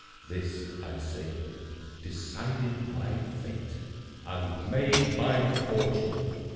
This, I say, decided my fate, and made my fortune.